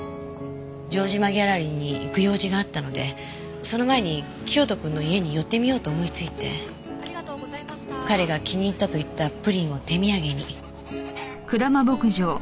城島ギャラリーに行く用事があったのでその前に清人くんの家に寄ってみようと思いついて彼が気に入ったと言ったプリンを手土産に。